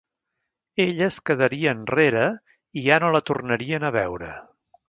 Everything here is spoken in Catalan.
Ella es quedaria enrere i ja no la tornarien a veure.